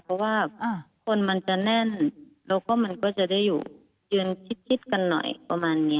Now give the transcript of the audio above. เพราะว่าคนมันจะแน่นแล้วก็มันก็จะได้อยู่ยืนคิดกันหน่อยประมาณนี้